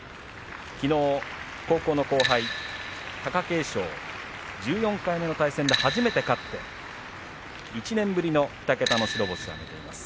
きのう高校の後輩貴景勝１４回目の対戦で初めて勝って１年ぶりの２桁の白星を挙げています